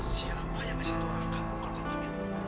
siapa yang ngasih tu orang kampung kalau kamu hamil